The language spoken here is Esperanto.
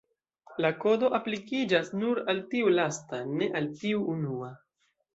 La Kodo aplikiĝas nur al tiu lasta, ne al tiu unua.